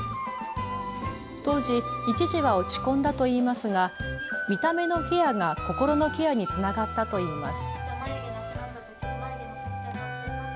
当時、一時は落ち込んだといいますが見た目のケアが心のケアにつながったといいます。